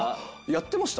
やってました？